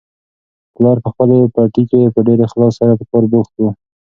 پلار په خپل پټي کې په ډېر اخلاص سره په کار بوخت و.